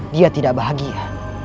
dia tidak bahagia